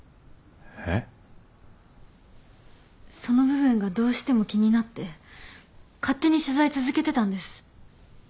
その部分がどうしても気になって勝手に取材続けてたんです